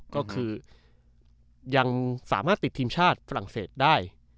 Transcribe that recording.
ก็คือยังสามารถติดทีมชาติฝรั่งเศสได้